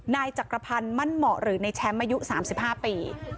นายจักรพันธ์มั่นเหมาะหรือในแชมป์อายุ๓๕ปี